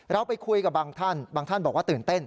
เราไปคุยกับบางท่านบางท่านบอกว่าตื่นเต้น